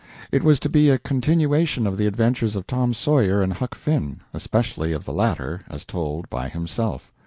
It was to be a continuation of the adventures of Tom Sawyer and Huck Finn, especially of the latter as told by himself.